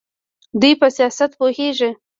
دوی په سیاست پوهیږي.